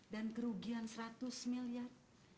dan kerugian seratus miliar